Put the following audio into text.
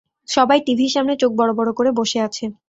সবাই টিভির সামনে চোখ বড়বড় করে বসে আছে।